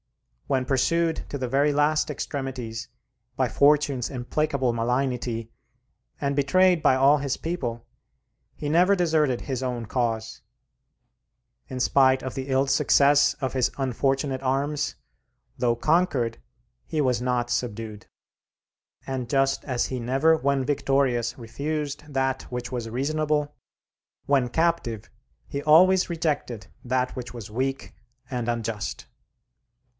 When pursued to the very last extremities by Fortune's implacable malignity, and betrayed by all his people, he never deserted his own cause; in spite of the ill success of his unfortunate arms, though conquered he was not subdued; and just as he never when victorious refused that which was reasonable, when captive he always rejected that which was weak and unjust.